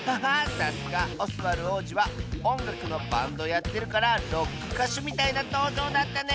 さすがオスワルおうじはおんがくのバンドやってるからロックかしゅみたいなとうじょうだったね！